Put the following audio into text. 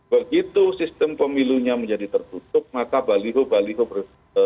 begitu sistem pemilunya menjadi tertutup maka baliho baliho ber